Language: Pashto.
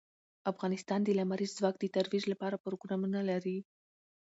افغانستان د لمریز ځواک د ترویج لپاره پروګرامونه لري.